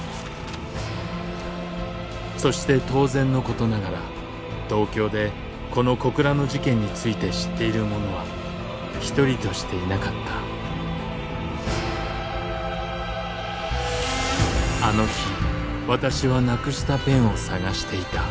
そして当然のことながら東京でこの小倉の事件について知っている者は一人としていなかったあの日私はなくしたペンを捜していた。